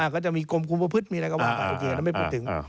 ก็จะมีกลมกลุ่มประพฤติมีอะไรก็ว่าก็ไม่พูดถึง